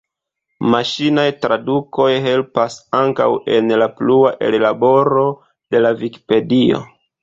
Maŝinaj tradukoj helpas ankaŭ en la plua ellaboro de la Vikipedio.